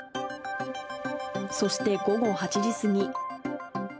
そして午後８時過ぎ。